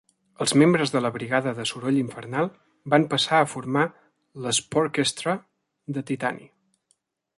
Els membres de la Brigada de soroll infernal van passar a formar l'Esporkestra de titani.